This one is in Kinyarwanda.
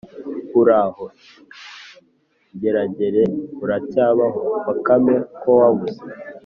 Uraho Ngeragere, Uracyabaho Bakame kowabuze